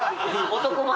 男前。